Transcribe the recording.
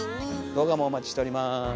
動画もお待ちしております。